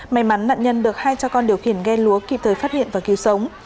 may mắn nạn nhân được hai cha con điều khiển ghe lúa kịp thời phát hiện và cứu sống